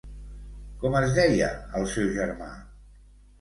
Com es deia el seu germà?